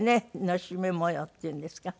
熨斗目模様っていうんですか。